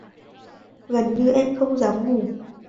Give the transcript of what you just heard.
Gần như em không dám ngủ